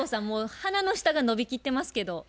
もう鼻の下が伸びきってますけど。